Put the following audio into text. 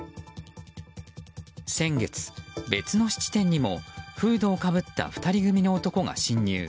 先月、別の質店にもフードをかぶった２人組の男が侵入。